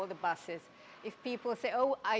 jika orang mengatakan oh saya membeli